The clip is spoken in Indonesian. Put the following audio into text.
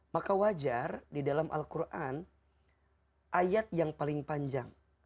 maka wajar di dalam al quran ayat yang paling panjang